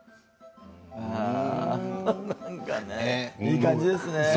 なんかいい感じですね。